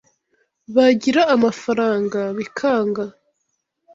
bagira amafaranga bikanga